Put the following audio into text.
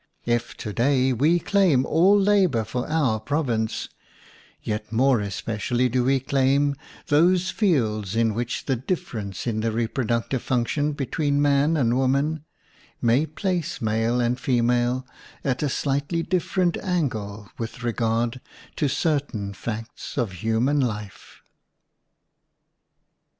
If to day we claim all labor for our province, yet more especially do we claim those fields in which the differ ence in the reproductive function be tween man and woman may place male and female at a slightly different angle with regard to certain facts of human life.